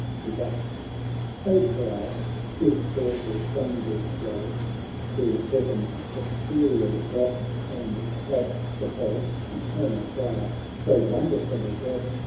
Shethus : 'O thou, whoseawful thunders roll Thro' heaven's ethereal vaults and shake the Pole, Eternal Sire, so wonderfully great.